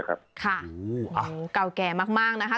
เก่าแก่มากนะฮะ